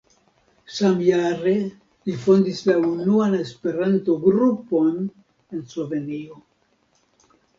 Samjare li fondis la unuan Esperanto-grupon en Slovenio.